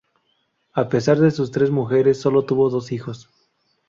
A pesar de sus tres mujeres, solo tuvo dos hijos.